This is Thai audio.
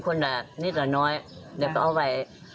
คนแหลกนิดละน้อยเด็กก็เอาไว้